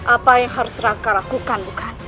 apa yang harus raka lakukan bukan